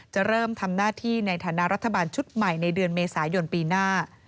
จะเริ่มทำหน้าที่ในฐานะรัฐบาลชุดใหม่ในเดือนเมษายนปีหน้า